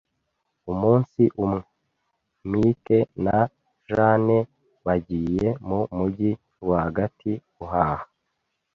Umunsi umwe, Mike na Jane bagiye mu mujyi rwagati guhaha.